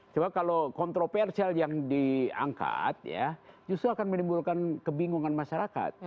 coba kalau kontroversial yang diangkat ya justru akan menimbulkan kebingungan masyarakat